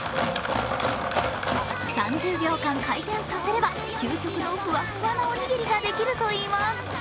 ３０秒間、回転させれば究極のふわっふわなおにぎりができるといいます。